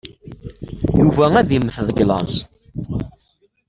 Yuba ad yemmet deg llaẓ.